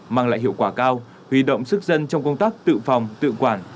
mang lại hiệu quả cao huy động sức dân trong công tác tự phòng tự quản